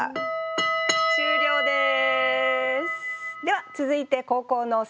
終了です。